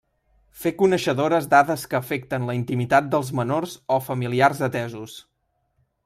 Fer coneixedores dades que afecten la intimitat dels menors o familiars atesos.